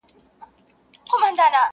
چاویل تریخ دی عجب خوږ دغه اواز دی,